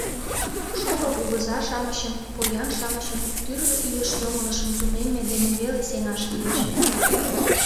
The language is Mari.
Шоҥго кугыза-шамычым, поян-шамычым тӱрлӧ илыш йоҥылышым тунемме дене веле сеҥаш лиеш.